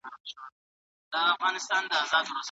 موږ باید له هرې تېروتنې څخه د بریالیتوب نوې لاره ولټوو.